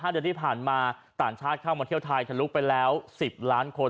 เดือนที่ผ่านมาต่างชาติเข้ามาเที่ยวไทยทะลุไปแล้ว๑๐ล้านคน